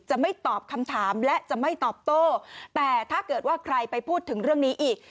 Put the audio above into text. จะไม่ตอบคำถามและจะไม่ตอบโต้แต่ถ้าเกิดว่าใครไปพูดถึงเรื่องนี้อีก